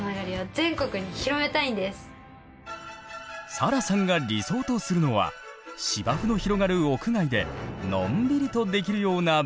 サラさんが理想とするのは芝生の広がる屋外でのんびりとできるようなＢｏｏｋｓｗａｐ。